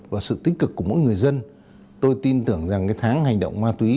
và sự tích cực của mỗi người dân tôi tin tưởng rằng tháng hành động ma túy